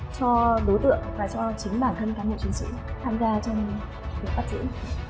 cho đối tượng và cho chính bản thân cán bộ chiến sĩ tham gia trong việc phát triển